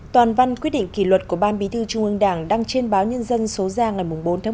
toàn văn quyết định kỳ luật của ban bí thư trung ương đảng đăng trên báo nhân dân số ra ngày bốn một mươi một